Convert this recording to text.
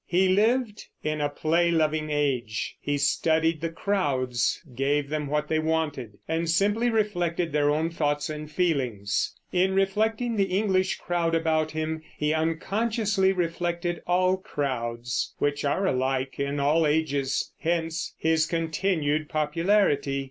He lived in a play loving age; he studied the crowds, gave them what they wanted, and simply reflected their own thoughts and feelings. In reflecting the English crowd about him he unconsciously reflected all crowds, which are alike in all ages; hence his continued popularity.